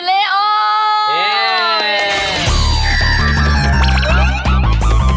เลโอ้เย้